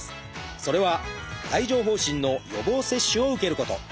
それは帯状疱疹の予防接種を受けること。